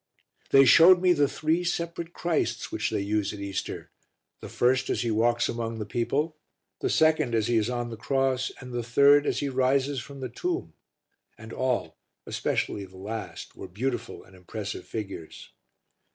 They showed me the three separate Christs which they use at Easter, the first as he walks among the people, the second as he is on the cross and the third as he rises from the tomb, and all, especially the last, were beautiful and impressive figures.